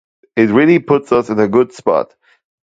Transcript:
It really put us in a good spot.